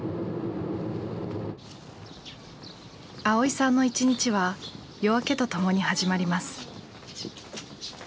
蒼依さんの一日は夜明けとともに始まります。